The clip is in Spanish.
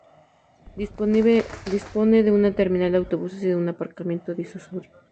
Dispone de una terminal de autobuses y de un aparcamiento disuasorio.